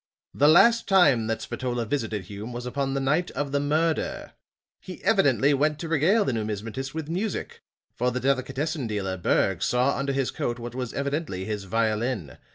The last time that Spatola visited Hume was upon the night of the murder. He evidently went to regale the numismatist with music; for the delicatessen dealer, Berg, saw under his coat what was evidently his violin.